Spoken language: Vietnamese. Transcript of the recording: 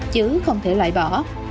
chứ không thể loại bỏ